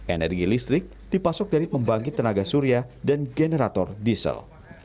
energi listrik dipasok dari pembangkit tenaga surya dan generator diesel